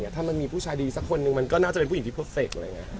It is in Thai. ถ้ามันมีผู้ชายดีสักคนนึงมันก็น่าจะเป็นผู้หญิงที่เพอร์เฟกต์